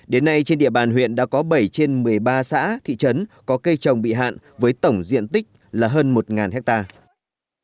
đến nay trên địa bàn huyện đã có bảy trên một mươi ba xã thị trấn có cây trồng bị hạn với tổng diện tích là hơn một hectare